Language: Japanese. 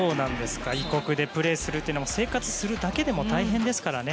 異国でプレーするのも生活するのも大変ですからね。